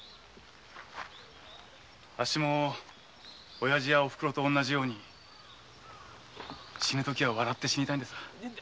あっしも親父やお袋と同じように死ぬときは笑って死にたいんです。